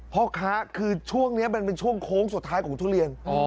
พ่อค้าคือช่วงนี้มันเป็นช่วงโค้งสุดท้ายของทุเรียน